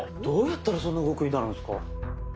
どうやったらそんな動くようになるんですか？